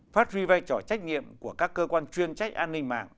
phát huy vai trò trách nhiệm của các cơ quan chuyên trách an ninh mạng